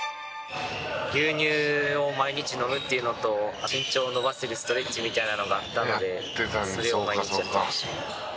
牛乳を毎日飲むっていうのと身長を伸ばせるストレッチみたいなのがあったのでそれを毎日やってました。